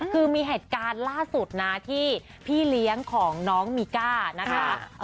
คือมีเหตุการณ์ล่าสุดนะที่พี่เลี้ยงของน้องมีก้านะคะ